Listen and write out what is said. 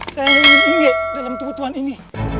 saya ingin inge dalam tubuh tuhan ini